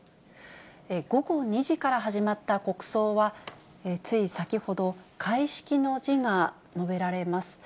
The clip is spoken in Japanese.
午後２時から始まった国葬は、つい先ほど、開式の辞が述べられます。